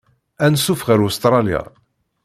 Anṣuf ɣer Ustṛalya.